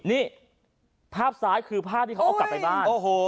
นี่ภาพซ้ายคือภาพที่เขาเอากลับไปบ้าน